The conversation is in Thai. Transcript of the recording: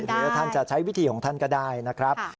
หรือท่านจะใช้วิธีของท่านก็ได้นะครับ